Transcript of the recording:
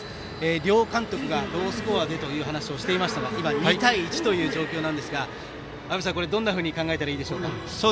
両監督がロースコアでという話をしていましたが今、２対１という状況ですが青山さん、どんなふうに考えますか。